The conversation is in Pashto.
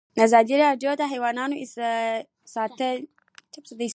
ازادي راډیو د حیوان ساتنه په اړه د خلکو احساسات شریک کړي.